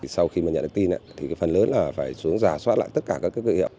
sau khi nhận được tin phần lớn là phải giả soát lại tất cả các cơ hiệu